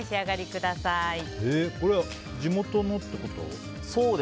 これは地元のってこと？